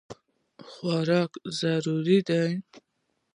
خوراک ضروري دی.